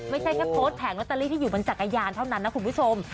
ไม่ใช่แค่โพสต์แผงลอตเตอรี่ที่อยู่บนจักรยานเท่านั้นนะคุณผู้ชม